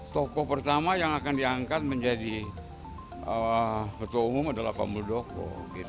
tokoh pertama yang akan diangkat menjadi ketua umum adalah pak muldoko